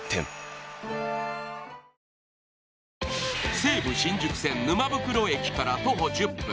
西武新宿線・沼袋駅から徒歩１０分。